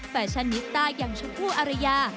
แฟชั่นนิสต้าอย่างชมพู่อารยา